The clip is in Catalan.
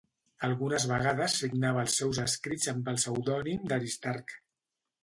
Algunes vegades signava els seus escrits amb el pseudònim d'Aristarc.